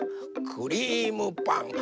クリームパン